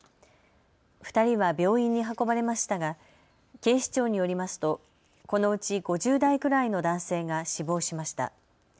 ２人は病院に運ばれましたが警視庁によりますと、このうち５０代くらいの男性が死亡しました。